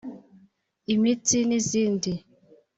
imitsi n’izindi